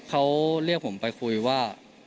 เขาเรียกผมไปคุยว่า